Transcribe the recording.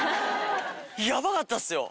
ヤバかったっすよ。